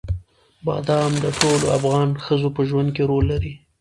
بادام د ټولو افغان ښځو په ژوند کې رول لري.